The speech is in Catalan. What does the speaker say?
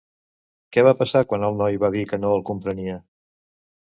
Què va passar quan el noi va dir que no el comprenia?